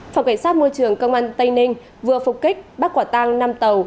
phòng cảnh sát môi trường công an tây ninh vừa phục kích bác quả tăng năm tàu